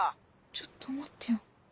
ちょっと待ってよ